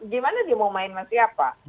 gimana dia mau main sama siapa